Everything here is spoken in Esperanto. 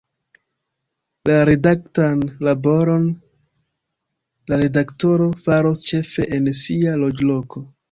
La redaktan laboron la redaktoro faros ĉefe en sia loĝloko.